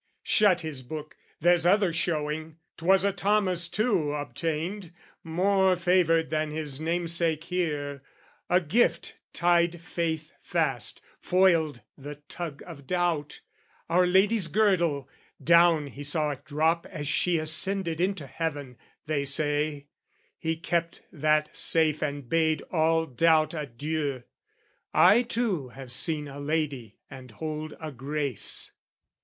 "Shut his book, "There's other showing! 'Twas a Thomas too "Obtained, more favoured than his namesake here, "A gift, tied faith fast, foiled the tug of doubt, "Our Lady's girdle; down he saw it drop "As she ascended into heaven, they say: "He kept that safe and bade all doubt adieu. "I too have seen a lady and hold a grace."